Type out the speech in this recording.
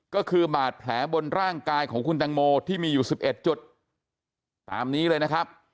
ก็คือบาดแผลบนร่างกายของคุณตังโมที่มีอยู่๑๑จุดตามนี้เลยนะครับ